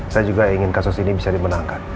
saya juga ingin kasus ini bisa dimenangkan